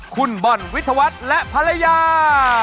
คุณบอลวิทยาวัฒน์และภรรยา